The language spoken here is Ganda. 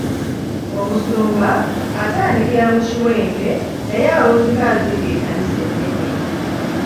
Omusumba atandikira mu kiwempe naye awunzika azimbye ekkanisa enene.